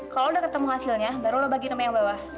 kalo udah ketemu hasilnya baru lo bagiin sama yang bawah